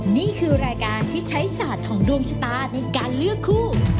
นี่คือรายการที่ใช้ศาสตร์ของดวงชะตาในการเลือกคู่